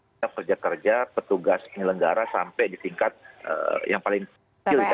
kita kerja kerja petugas penyelenggara sampai di tingkat yang paling kecil ya